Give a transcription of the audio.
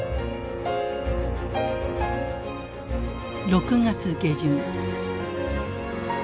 ６月下旬。